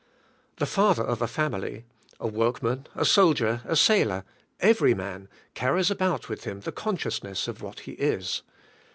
The father of a family, a workman, a sol dier, a sailor, every man, carries about with him the consciousness of what he is.